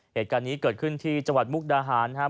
เหตุการณ์นี้เกิดขึ้นที่จังหวัดมุกดาหารนะครับ